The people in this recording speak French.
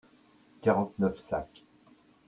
quarante neuf sacs.